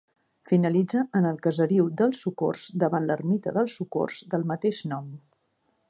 Finalitza en el caseriu del Socors, davant l'ermita del Socors del mateix nom.